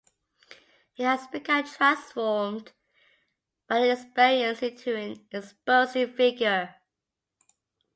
He has become transformed by the experience into an imposing figure.